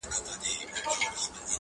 ملنگ خو دي وڅنگ ته پرېږده!!